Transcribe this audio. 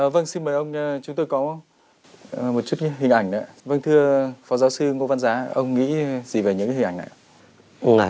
vâng xin mời ông chúng tôi có một chút hình ảnh vâng thưa phó giáo sư ngô văn giá ông nghĩ gì về những hình ảnh này ạ